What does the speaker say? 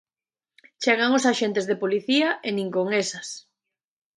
Chegan os axentes de Policía e nin con esas.